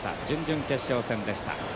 準々決勝戦でした。